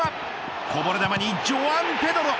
こぼれ球にジョアン・ペドロ。